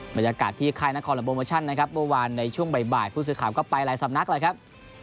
บรรยากาศที่ค่ายนครและโปรโมชั่นนะครับเมื่อวานในช่วงบ่ายผู้สื่อข่าวก็ไปหลายสำนักแหละครับ